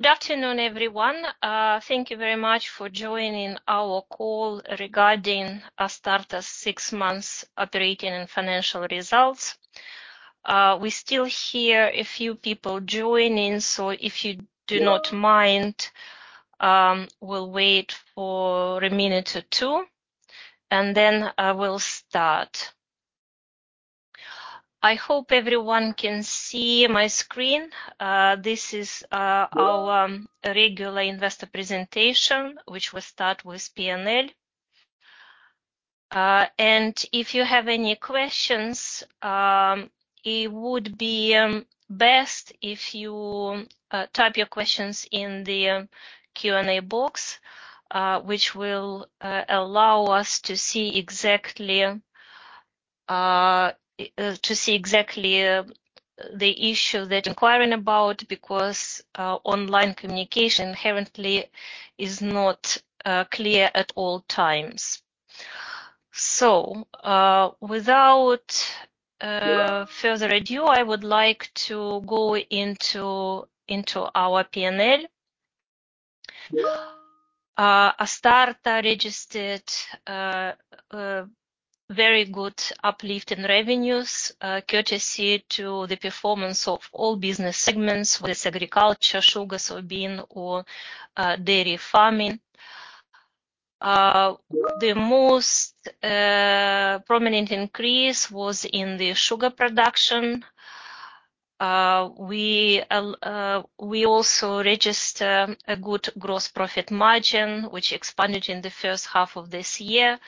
Good afternoon, everyone. Thank you very much for joining our call regarding Astarta's Six Months Operating and Financial Results. We still hear a few people joining, so if you do not mind, we'll wait for a minute or two, and then I will start. I hope everyone can see my screen. This is our regular investor presentation, which we start with P&L. And if you have any questions, it would be best if you type your questions in the Q&A box, which will allow us to see exactly the issue that inquiring about, because online communication inherently is not clear at all times. So, without further ado, I would like to go into our P&L. Astarta registered very good uplift in revenues courtesy to the performance of all business segments with agriculture, sugar, soybean, or dairy farming. The most prominent increase was in the sugar production. We also registered a good gross profit margin, which expanded in the first half of this year,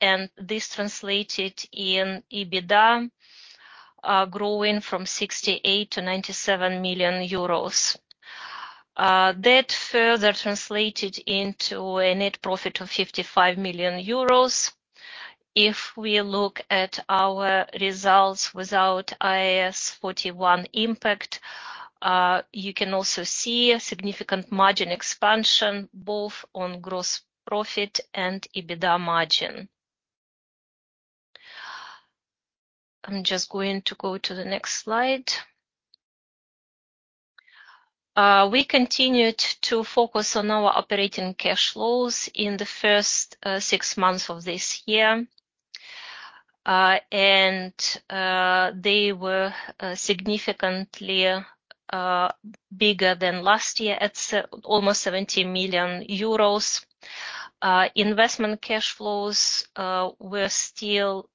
and this translated in EBITDA growing from 68 million to 97 million euros. That further translated into a net profit of 55 million euros. If we look at our results without IAS 41 impact, you can also see a significant margin expansion, both on gross profit and EBITDA margin. I'm just going to go to the next slide. We continued to focus on our operating cash flows in the first six months of this year. They were significantly bigger than last year at almost 70 million euros. Investment cash flows were still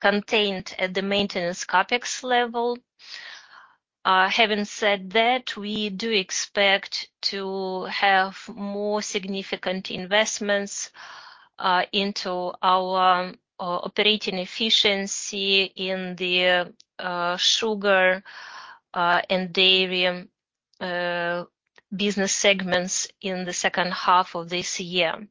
contained at the maintenance CapEx level. Having said that, we do expect to have more significant investments into our operating efficiency in the sugar and dairy business segments in the second half of this year.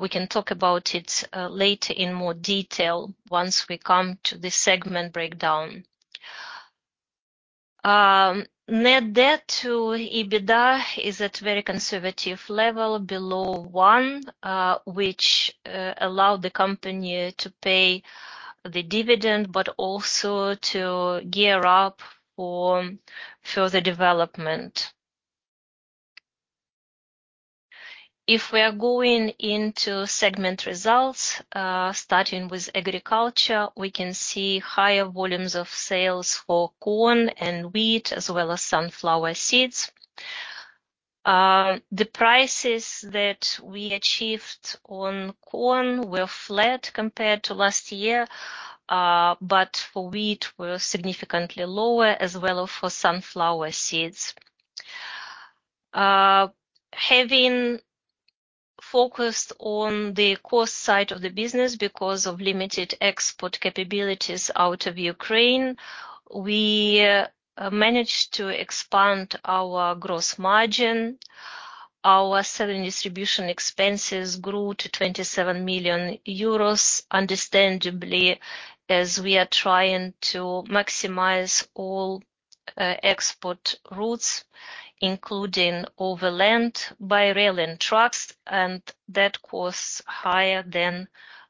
We can talk about it later in more detail once we come to the segment breakdown. Net debt to EBITDA is at very conservative level below one, which allowed the company to pay the dividend, but also to gear up for further development. If we are going into segment results, starting with agriculture, we can see higher volumes of sales for corn and wheat, as well as sunflower seeds. The prices that we achieved on corn were flat compared to last year, but for wheat were significantly lower, as well as for sunflower seeds. Having focused on the cost side of the business because of limited export capabilities out of Ukraine, we managed to expand our gross margin. Our selling distribution expenses grew to 27 million euros, understandably, as we are trying to maximize all export routes, including overland, by rail and trucks, and that costs higher than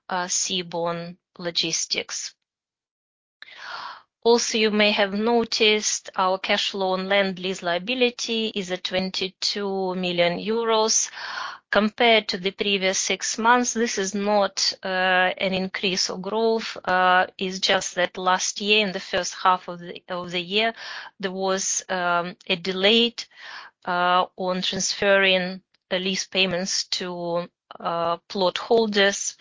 seaborne logistics. Also, you may have noticed our cash loan land lease liability is at 22 million euros. Compared to the previous six months, this is not an increase or growth. It's just that last year, in the first half of the year, there was a delay on transferring the lease payments to plot holders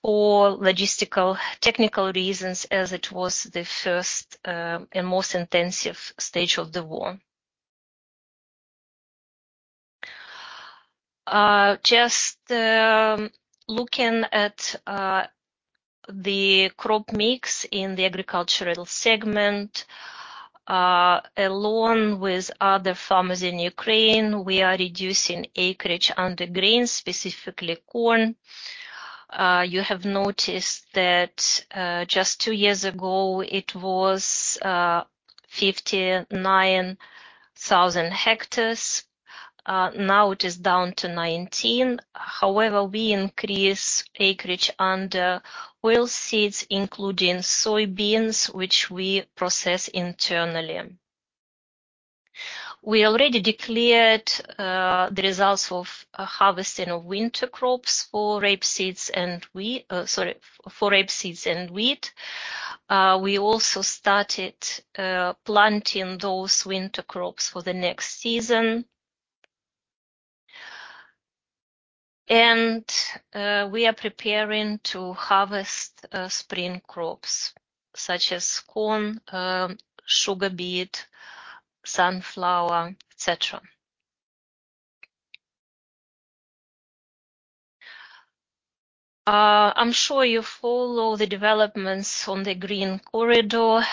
for logistical, technical reasons, as it was the first and most intensive stage of the war. Just looking at the crop mix in the agricultural segment, along with other farmers in Ukraine, we are reducing acreage under grains, specifically corn. You have noticed that, just two years ago, it was 59,000 hectares. Now it is down to 19,000. However, we increase acreage under oilseeds, including soybeans, which we process internally. We already declared the results of harvesting of winter crops for rapeseed and wheat, sorry, for rapeseed and wheat. We also started planting those winter crops for the next season. We are preparing to harvest spring crops, such as corn, sugar beet, sunflower, et cetera. I'm sure you follow the developments on the Grain Corridor.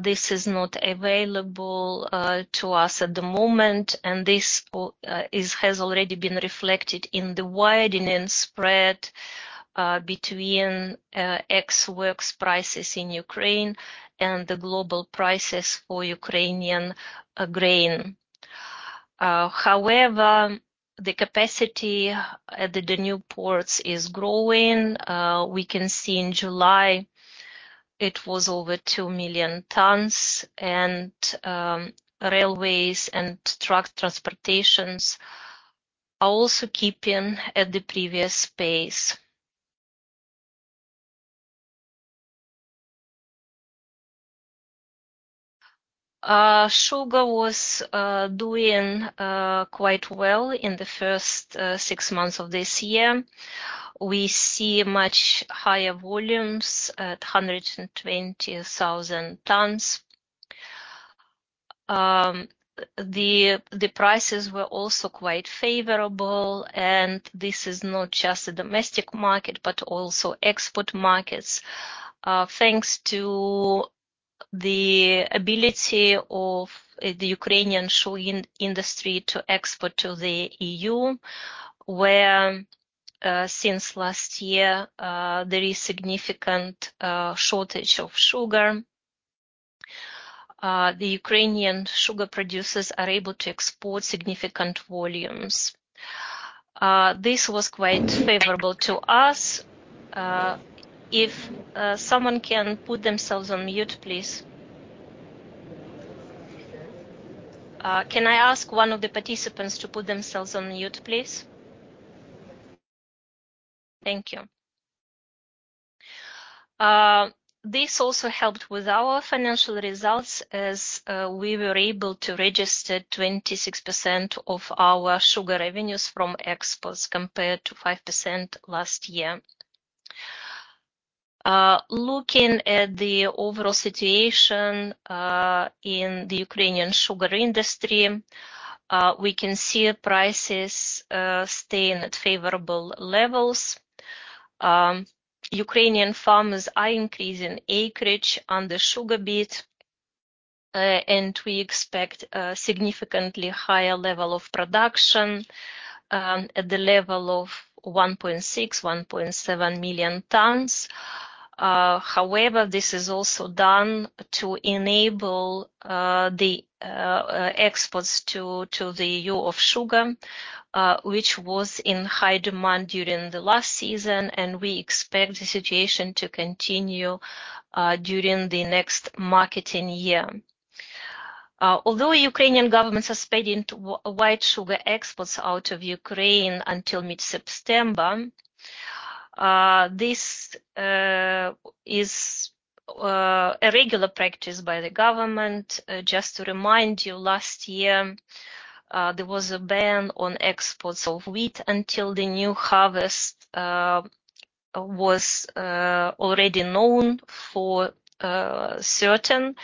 This is not available to us at the moment, and this has already been reflected in the widening spread between ex-works prices in Ukraine and the global prices for Ukrainian grain. However, the capacity at the Danube ports is growing. We can see in July, it was over 2 million tonnes, and railways and truck transportations are also keeping at the previous pace. Sugar was doing quite well in the first six months of this year. We see much higher volumes at 120,000 tonnes. The prices were also quite favorable, and this is not just the domestic market, but also export markets. Thanks to the ability of the Ukrainian sugar industry to export to the EU, where since last year there is significant shortage of sugar. The Ukrainian sugar producers are able to export significant volumes. This was quite favorable to us. If someone can put themselves on mute, please. Can I ask one of the participants to put themselves on mute, please? Thank you. This also helped with our financial results as we were able to register 26% of our sugar revenues from exports compared to 5% last year. Looking at the overall situation in the Ukrainian sugar industry, we can see the prices staying at favorable levels. Ukrainian farmers are increasing acreage on the sugar beet, and we expect a significantly higher level of production at the level of 1.6-1.7 million tonnes. However, this is also done to enable the exports to the EU of sugar, which was in high demand during the last season, and we expect the situation to continue during the next marketing year. Although the Ukrainian government has suspended white sugar exports out of Ukraine until mid-September, this is a regular practice by the government. Just to remind you, last year there was a ban on exports of wheat until the new harvest was already known for certain.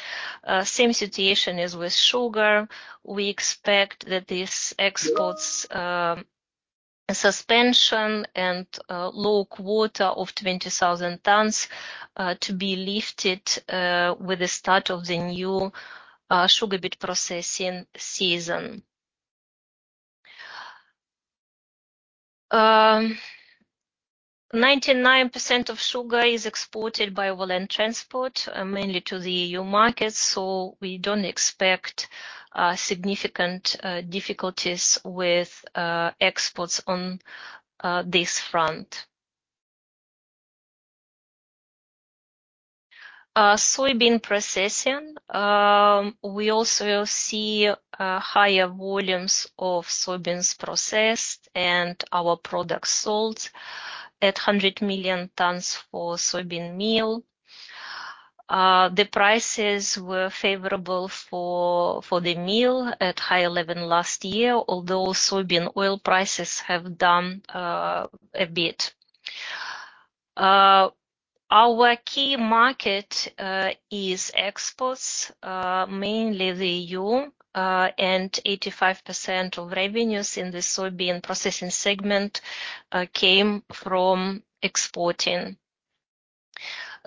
Same situation as with sugar. We expect that these exports suspension and low quota of 20,000 tonnes to be lifted with the start of the new sugar beet processing season. 99% of sugar is exported by overland transport mainly to the EU market, so we don't expect significant difficulties with exports on this front. Soybean processing. We also see higher volumes of soybeans processed and our products sold at 100 million tonnes for soybean meal. The prices were favorable for the meal at high level last year, although soybean oil prices have down a bit. Our key market is exports mainly the EU and 85% of revenues in the soybean processing segment came from exporting.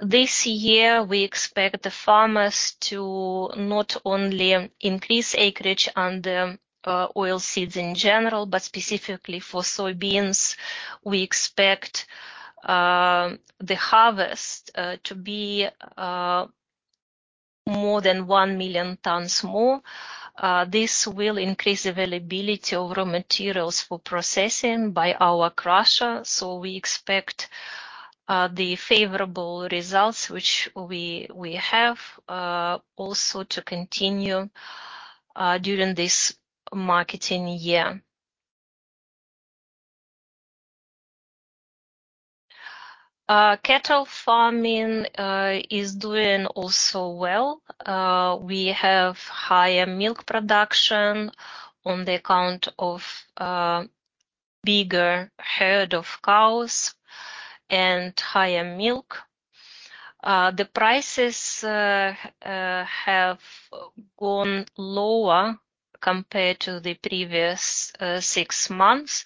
This year, we expect the farmers to not only increase acreage on the oilseeds in general, but specifically for soybeans. We expect the harvest to be more than 1 million tons more. This will increase availability of raw materials for processing by our crusher, so we expect the favorable results, which we have also to continue during this marketing year. Cattle farming is doing also well. We have higher milk production on the account of bigger herd of cows and higher milk. The prices have gone lower compared to the previous six months.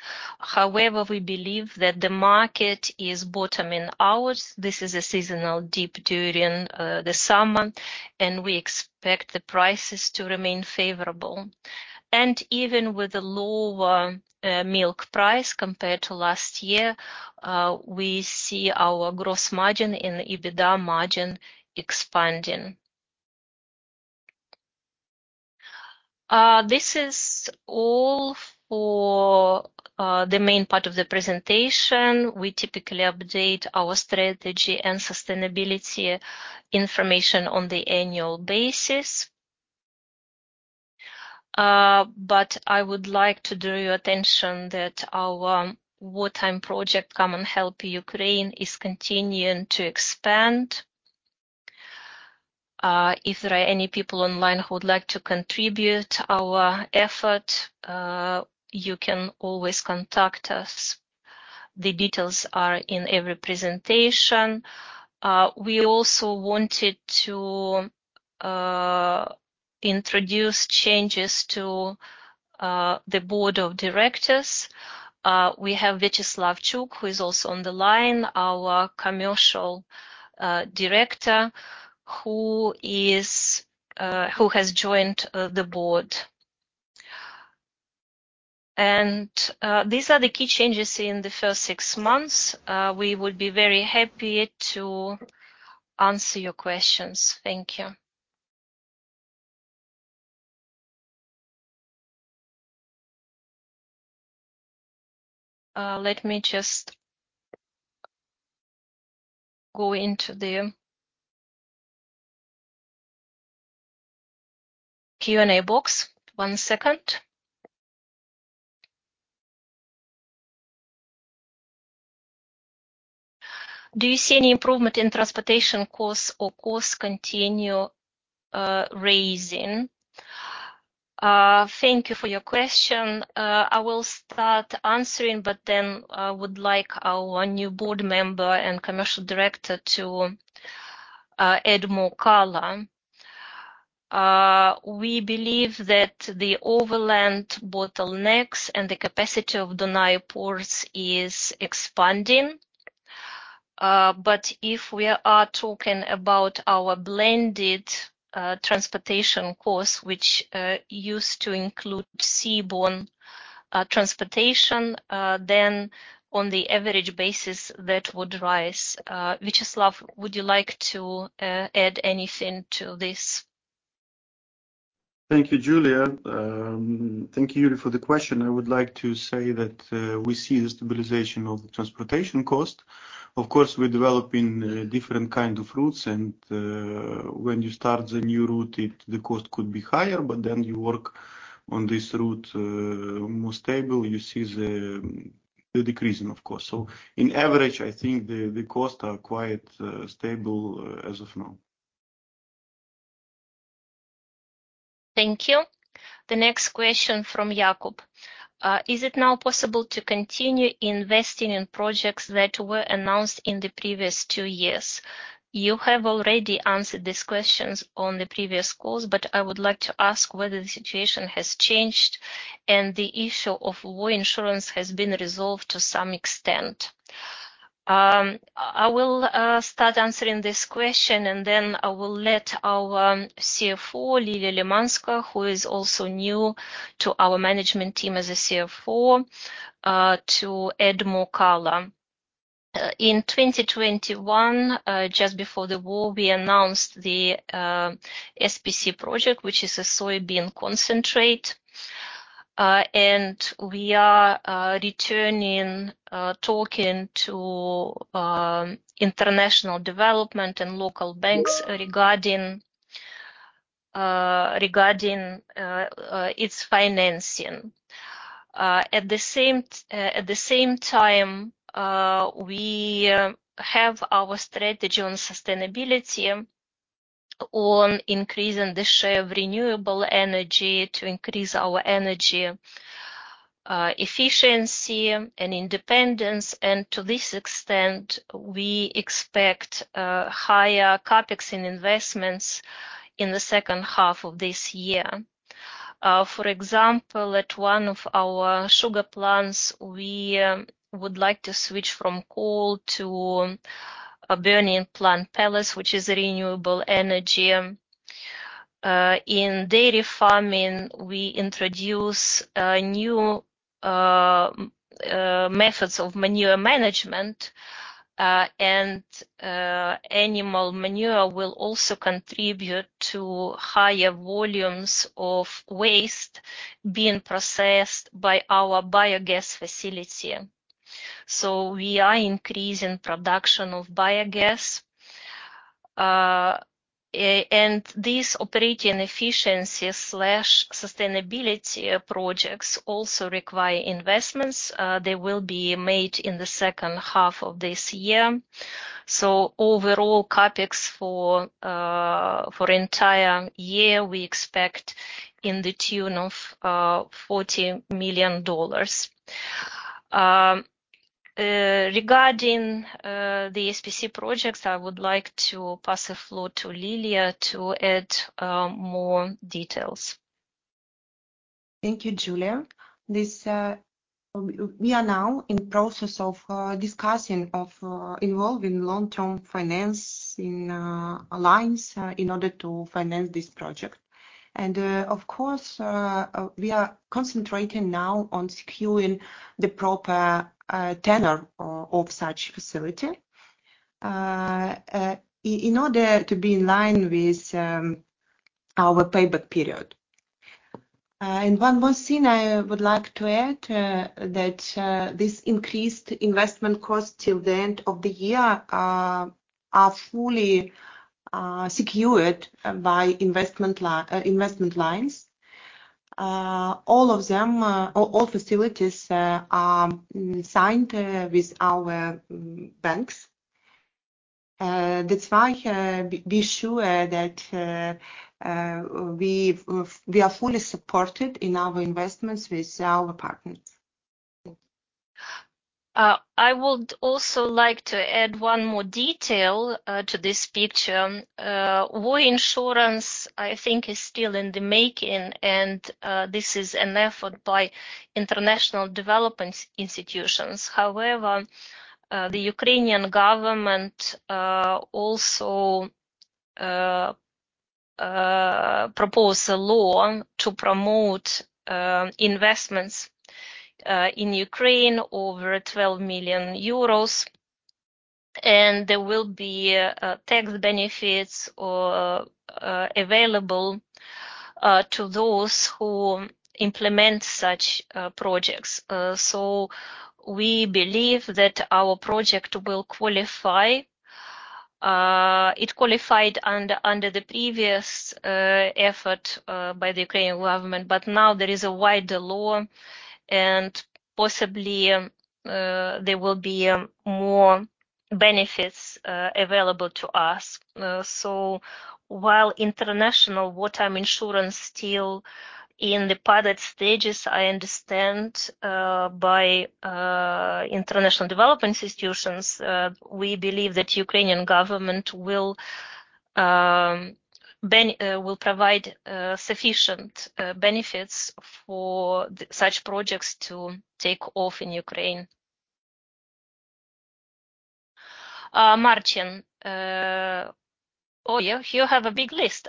However, we believe that the market is bottoming out. This is a seasonal dip during the summer, and we expect the prices to remain favorable. Even with the lower milk price compared to last year, we see our gross margin and the EBITDA margin expanding. This is all for the main part of the presentation. We typically update our strategy and sustainability information on the annual basis. I would like to draw your attention that our wartime project, Come and Help Ukraine, is continuing to expand. If there are any people online who would like to contribute our effort, you can always contact us. The details are in every presentation. We also wanted to introduce changes to the board of directors. We have Viacheslav Chuk, who is also on the line, our commercial director, who has joined the board. These are the key changes in the first six months. We would be very happy to answer your questions. Thank you. Let me just go into the Q&A box. One second. Do you see any improvement in transportation costs or costs continue raising? Thank you for your question. I will start answering, but then I would like our new board member and Commercial Director to add more color. We believe that the overland bottlenecks and the capacity of Danube ports is expanding. But if we are talking about our blended transportation costs, which used to include seaborne transportation, then on the average basis, that would rise. Viacheslav, would you like to add anything to this? Thank you, Julia. Thank you for the question. I would like to say that we see the stabilization of the transportation cost. Of course, we're developing different kind of routes, and when you start the new route, the cost could be higher, but then you work on this route more stable, you see the decreasing of cost. So in average, I think the costs are quite stable as of now. Thank you. The next question from Jacob. Is it now possible to continue investing in projects that were announced in the previous two years? You have already answered these questions on the previous calls, but I would like to ask whether the situation has changed and the issue of war insurance has been resolved to some extent. I will start answering this question, and then I will let our CFO, Liliia Lymanska, who is also new to our management team as a CFO, to add more color. In 2021, just before the war, we announced the SPC project, which is a soybean concentrate, and we are returning talking to international development and local banks regarding its financing. At the same time, we have our strategy on sustainability, on increasing the share of renewable energy to increase our energy efficiency and independence, and to this extent, we expect higher CapEx in investments in the second half of this year. For example, at one of our sugar plants, we would like to switch from coal to burning plant pellets, which is a renewable energy. In dairy farming, we introduce new methods of manure management. And animal manure will also contribute to higher volumes of waste being processed by our biogas facility. So we are increasing production of biogas. And these operating efficiency/sustainability projects also require investments. They will be made in the second half of this year. So overall CapEx for entire year, we expect to the tune of $40 million. Regarding the SPC projects, I would like to pass the floor to Liliia to add more details. Thank you, Julia. We are now in process of discussing involving long-term financing alliance in order to finance this project. Of course, we are concentrating now on securing the proper tenor of such facility in order to be in line with our payback period. One more thing I would like to add, that this increased investment cost till the end of the year are fully secured by investment lines. All of them, all facilities are signed with our banks. That's why, be sure that we are fully supported in our investments with our partners. I would also like to add one more detail to this picture. War insurance, I think, is still in the making, and this is an effort by international development institutions. However, the Ukrainian government also proposed a law to promote investments in Ukraine over 12 million euros, and there will be tax benefits or available to those who implement such projects. So we believe that our project will qualify. It qualified under the previous effort by the Ukrainian government, but now there is a wider law and possibly there will be more benefits available to us. So while international wartime insurance still in the pilot stages, I understand, by international development institutions, we believe that Ukrainian government will provide sufficient benefits for the such projects to take off in Ukraine. Oh, yeah, you have a big list.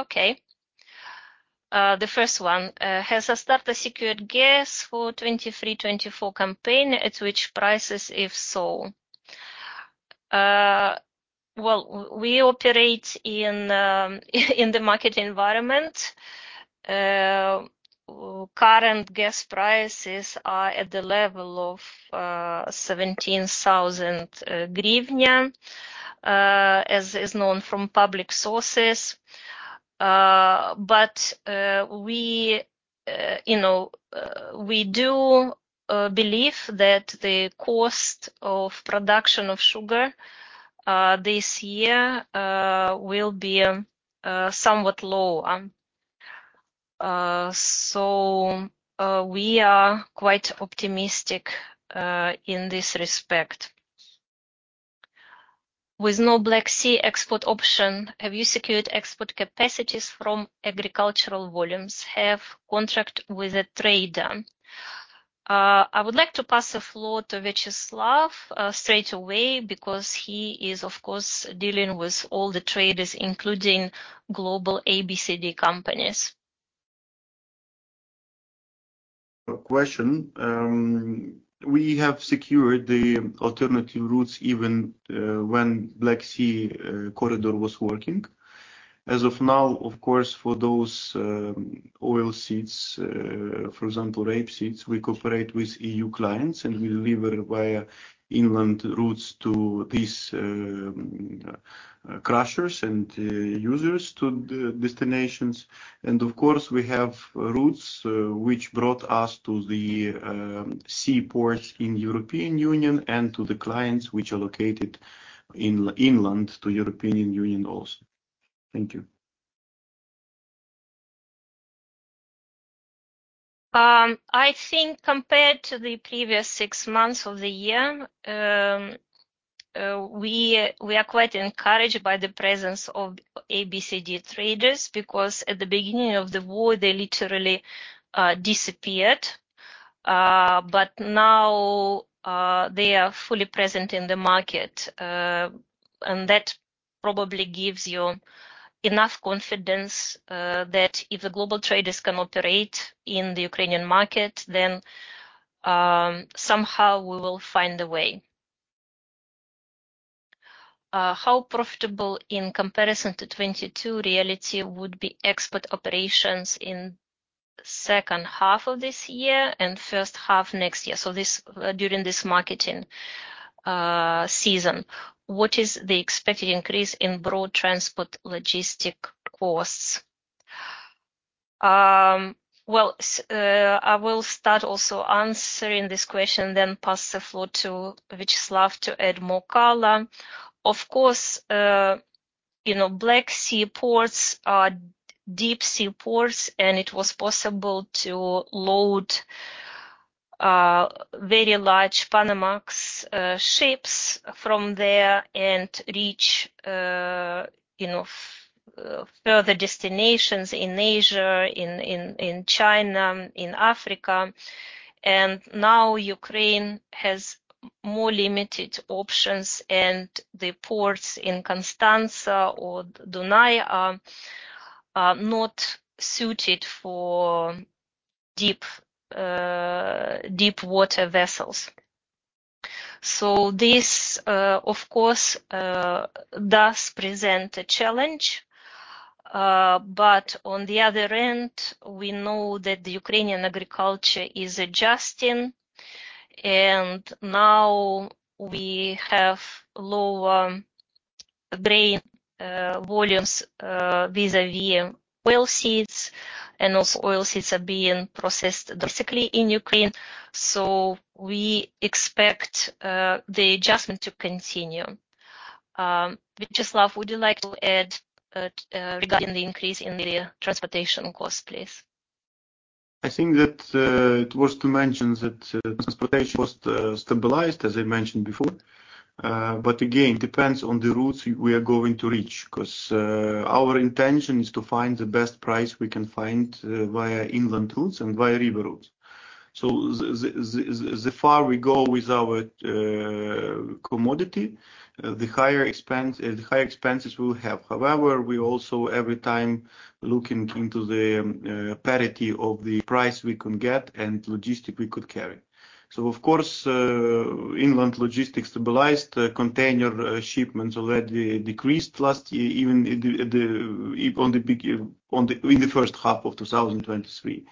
Okay. The first one: Has Astarta secured gas for 2023-2024 campaign? At which prices, if so? Well, we operate in the market environment. Current gas prices are at the level of UAH 17,000, as is known from public sources. But, you know, we do believe that the cost of production of sugar this year will be somewhat low. So, we are quite optimistic in this respect. With no Black Sea export option, have you secured export capacities from agricultural volumes? Have contract with a trader? I would like to pass the floor to Viacheslav, straight away because he is, of course, dealing with all the traders, including global ABCD companies. A question. We have secured the alternative routes even when Black Sea corridor was working. As of now, of course, for those oil seeds, for example, rapeseed, we cooperate with EU clients, and we deliver via inland routes to these crushers and users to the destinations. And of course, we have routes which brought us to the seaports in European Union and to the clients which are located inland to European Union also. Thank you. I think compared to the previous six months of the year, we are quite encouraged by the presence of ABCD traders, because at the beginning of the war, they literally disappeared. But now, they are fully present in the market, and that probably gives you enough confidence that if the global traders can operate in the Ukrainian market, then somehow we will find a way. How profitable in comparison to 2022 reality would be export operations in second half of this year and first half next year? So this, during this marketing season, what is the expected increase in broad transport logistic costs? Well, I will start also answering this question, then pass the floor to Viacheslav to add more color. Of course, you know, Black Sea ports are deep sea ports, and it was possible to load very large Panamax ships from there and reach, you know, further destinations in Asia, in China, in Africa. And now Ukraine has more limited options, and the ports in Constanța or Danube are not suited for deep water vessels. So this, of course, does present a challenge. But on the other end, we know that the Ukrainian agriculture is adjusting, and now we have lower grain volumes vis-à-vis oilseeds, and also oilseeds are being processed basically in Ukraine. So we expect the adjustment to continue. Viacheslav, would you like to add regarding the increase in the transportation cost, please? I think that it was to mention that transportation was stabilized, as I mentioned before. But again, depends on the routes we are going to reach, 'cause our intention is to find the best price we can find via inland routes and via river routes. So the far we go with our commodity, the higher expense the high expenses we will have. However, we also every time looking into the parity of the price we can get and logistic we could carry. So of course, inland logistics stabilized, container shipments already decreased last year, even in the first half of 2023.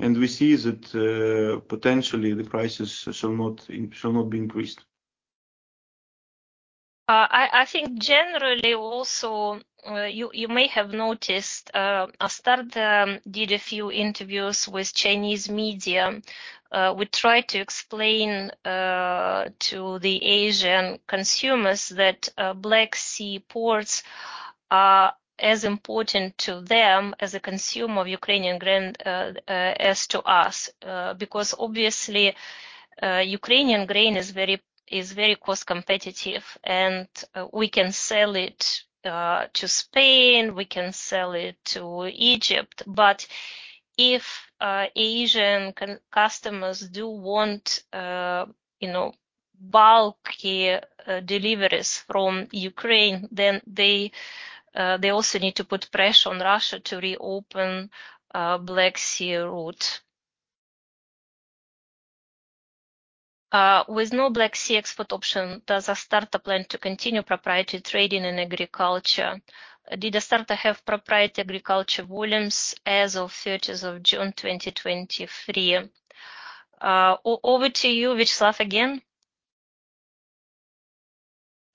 And we see that potentially, the prices shall not in, shall not be increased. I think generally also, you may have noticed, Astarta did a few interviews with Chinese media. We tried to explain to the Asian consumers that Black Sea ports are as important to them as a consumer of Ukrainian grain as to us. Because obviously, Ukrainian grain is very cost competitive, and we can sell it to Spain, we can sell it to Egypt. But if Asian customers do want, you know, bulky deliveries from Ukraine, then they also need to put pressure on Russia to reopen Black Sea route. With no Black Sea export option, does Astarta plan to continue proprietary trading in agriculture? Did Astarta have proprietary agriculture volumes as of 30th of June, 2023? Over to you, Viacheslav, again.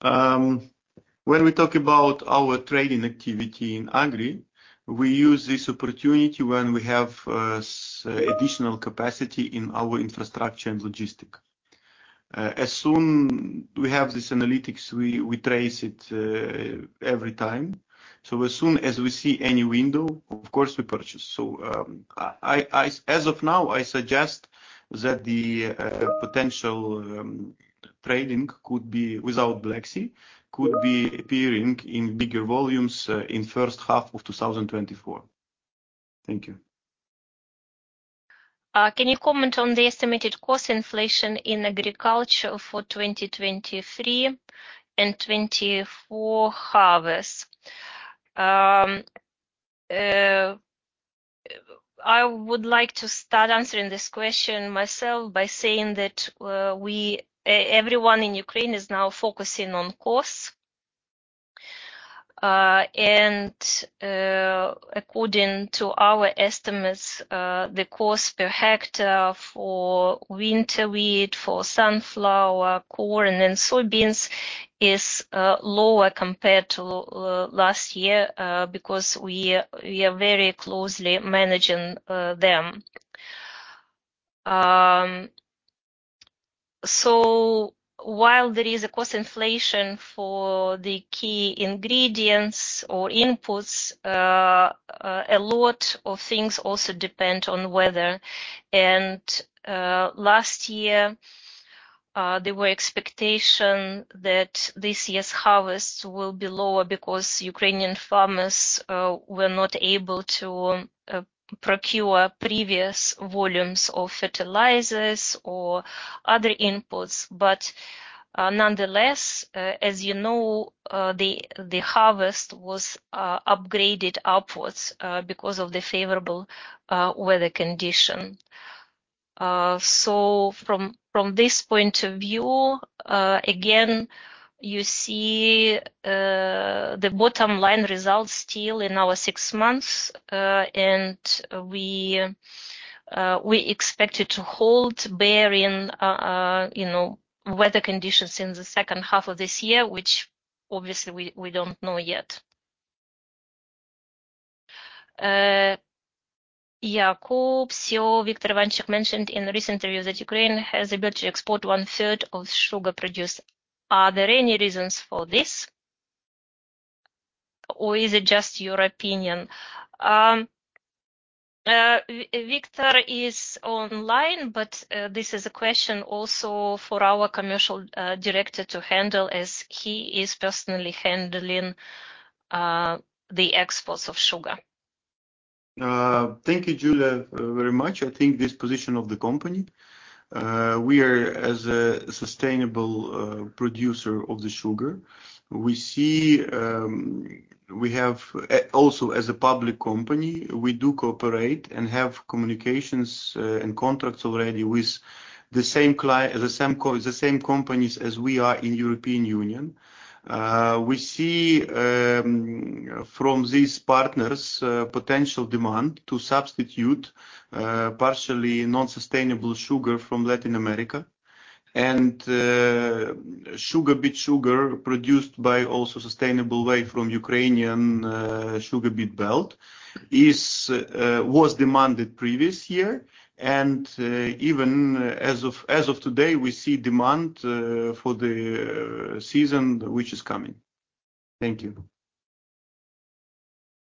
When we talk about our trading activity in agri, we use this opportunity when we have additional capacity in our infrastructure and logistics. As soon as we have this analytics, we trace it every time. So as soon as we see any window, of course, we purchase. So, as of now, I suggest that the potential trading could be without Black Sea, could be appearing in bigger volumes in the first half of 2024. Thank you. Can you comment on the estimated cost inflation in agriculture for 2023 and 2024 harvest? I would like to start answering this question myself by saying that, everyone in Ukraine is now focusing on costs. According to our estimates, the cost per hectare for winter wheat, for sunflower, corn, and soybeans is lower compared to last year, because we are very closely managing them. So while there is a cost inflation for the key ingredients or inputs, a lot of things also depend on weather. Last year, there were expectation that this year's harvest will be lower because Ukrainian farmers were not able to procure previous volumes of fertilizers or other inputs, but... Nonetheless, as you know, the harvest was upgraded upwards because of the favorable weather condition. So from this point of view, again, you see, the bottom line results still in our six months, and we expect it to hold bearing, you know, weather conditions in the second half of this year, which obviously we don't know yet. Yeah, Viktor Ivanchyk mentioned in a recent interview that Ukraine has ability to export one third of sugar produced. Are there any reasons for this, or is it just your opinion? Viktor is online, but this is a question also for our commercial director to handle, as he is personally handling the exports of sugar. Thank you, Julia, very much. I think this position of the company, we are as a sustainable producer of the sugar. We see we have also as a public company, we do cooperate and have communications and contracts already with the same companies as we are in European Union. We see from these partners potential demand to substitute partially non-sustainable sugar from Latin America. And sugar beet sugar produced by also sustainable way from Ukrainian sugar beet belt was demanded previous year, and even as of today, we see demand for the season which is coming. Thank you.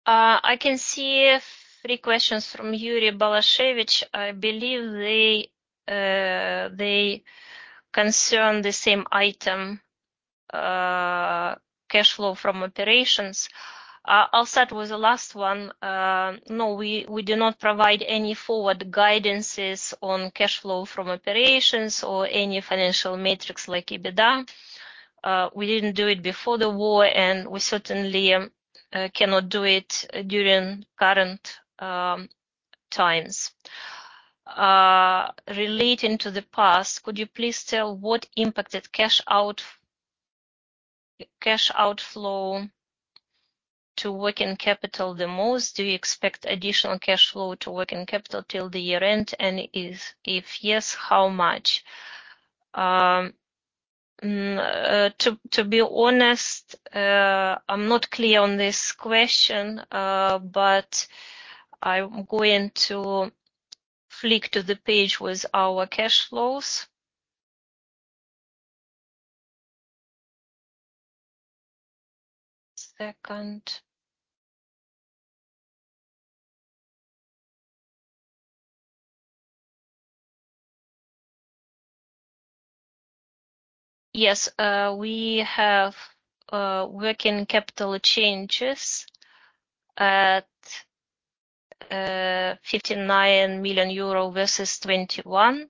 I can see three questions from Yuri Balashevich. I believe they, they concern the same item, cash flow from operations. I'll start with the last one. No, we, we do not provide any forward guidances on cash flow from operations or any financial metrics like EBITDA. We didn't do it before the war, and we certainly cannot do it during current times. Relating to the past, could you please tell what impacted cash out- cash outflow to working capital the most? Do you expect additional cash flow to working capital till the year end? And if yes, how much? To, to be honest, I'm not clear on this question, but I'm going to flick to the page with our cash flows. Second... Yes, we have working capital changes at 59 million euro versus 21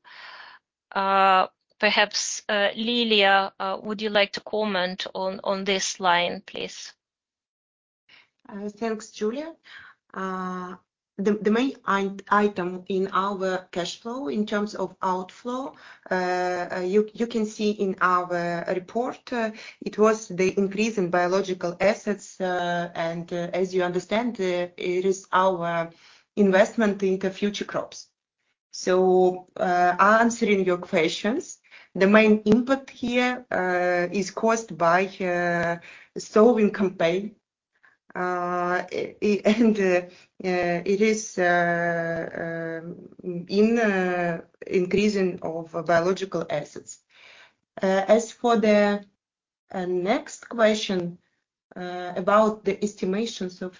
million. Perhaps, Liliia, would you like to comment on this line, please? Thanks, Julia. The main item in our cash flow in terms of outflow, you can see in our report, it was the increase in biological assets, and as you understand, it is our investment into future crops. So, answering your questions, the main input here is caused by sowing campaign. And it is in increasing of biological assets. As for the next question, about the estimations of...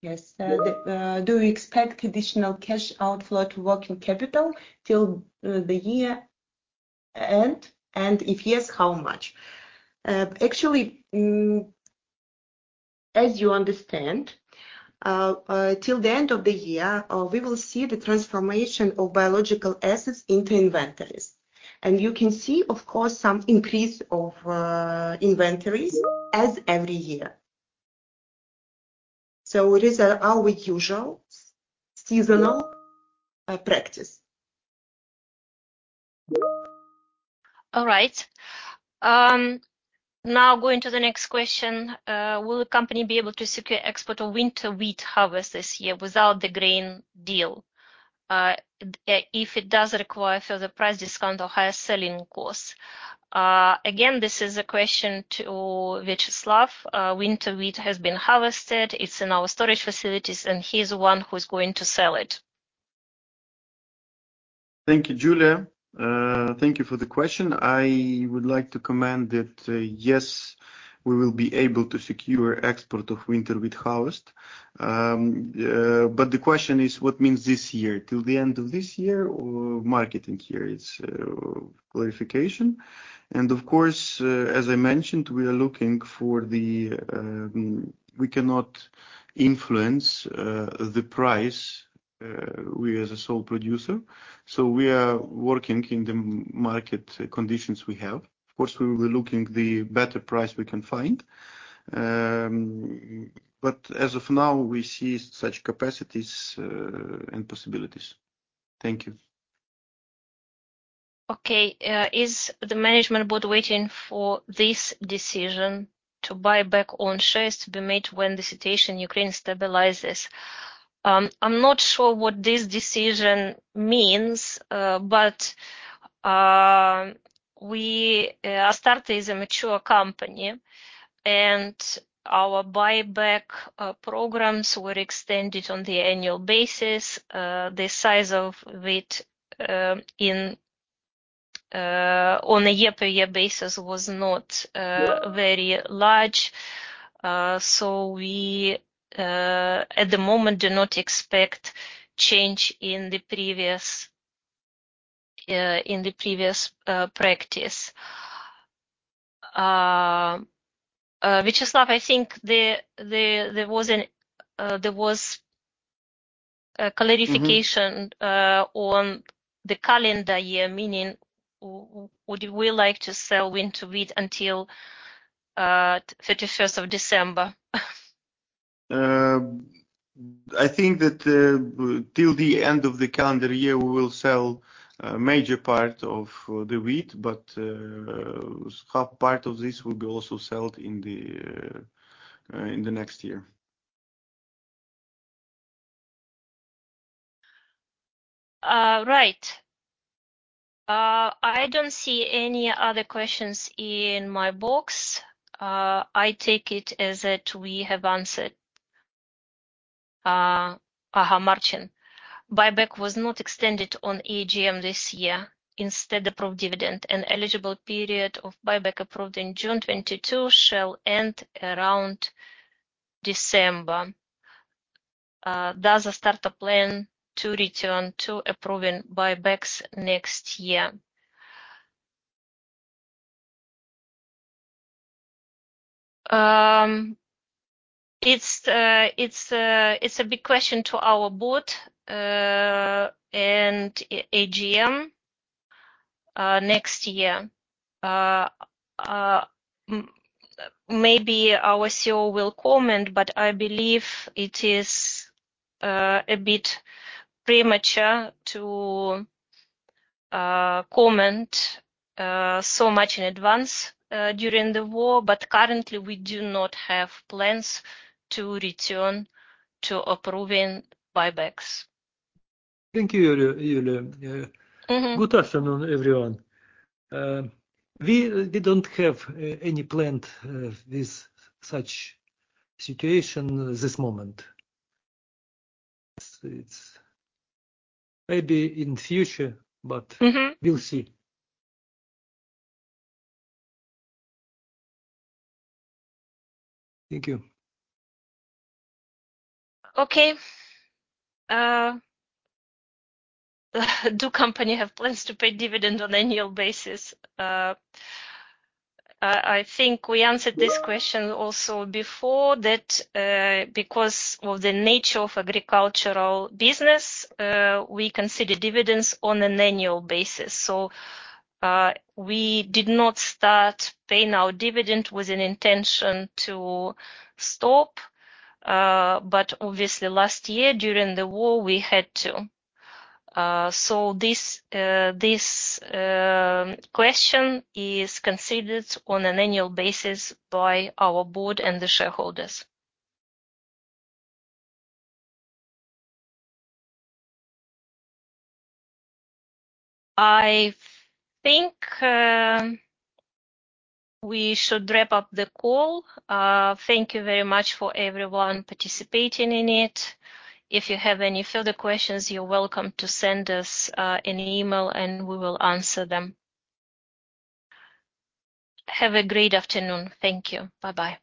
Yes, do you expect additional cash outflow to working capital till the year end? And if yes, how much? Actually, as you understand, till the end of the year, we will see the transformation of biological assets into inventories. You can see, of course, some increase of inventories as every year. So it is our usual seasonal practice. All right. Now going to the next question. Will the company be able to secure export of winter wheat harvest this year without the grain deal? If it does require further price discount or higher selling costs. Again, this is a question to Viacheslav. Winter wheat has been harvested. It's in our storage facilities, and he's the one who's going to sell it. Thank you, Julia. Thank you for the question. I would like to comment that, yes, we will be able to secure export of winter wheat harvest. But the question is, what means this year? Till the end of this year or marketing year? It's clarification. And of course, as I mentioned, we are looking for the we cannot influence the price we as a sole producer. So we are working in the market conditions we have. Of course, we will be looking the better price we can find. But as of now, we see such capacities and possibilities. Thank you. Okay, is the management board waiting for this decision to buy back own shares to be made when the situation in Ukraine stabilizes? I'm not sure what this decision means, but we Astarta is a mature company, and our buyback programs were extended on the annual basis. The size of it in on a year-per-year basis was not very large. So we, at the moment, do not expect change in the previous practice. Viacheslav, I think there was a clarification- Mm-hmm On the calendar year, meaning, would we like to sell winter wheat until 31st of December? I think that, till the end of the calendar year, we will sell a major part of the wheat, but half part of this will be also sold in the next year. Right. I don't see any other questions in my box. I take it as that we have answered. Marcin, buyback was not extended on AGM this year. Instead, approved dividend and eligible period of buyback approved in June 2022 shall end around December. Does Astarta plan to return to approving buybacks next year? It's a big question to our board and AGM next year. Maybe our CEO will comment, but I believe it is a bit premature to comment so much in advance during the war. But currently, we do not have plans to return to approving buybacks. Thank you, Julia. Mm-hmm. Good afternoon, everyone. We don't have any plan with such situation this moment. So it's maybe in future, but- Mm-hmm We'll see. Thank you. Okay. Do company have plans to pay dividend on annual basis? I think we answered this question also before, that, because of the nature of agricultural business, we consider dividends on an annual basis. So, we did not start paying our dividend with an intention to stop, but obviously last year, during the war, we had to. So this question is considered on an annual basis by our board and the shareholders. I think we should wrap up the call. Thank you very much for everyone participating in it. If you have any further questions, you're welcome to send us an email, and we will answer them. Have a great afternoon. Thank you. Bye-bye.